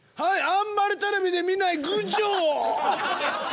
あんまりテレビで見ないグジョ！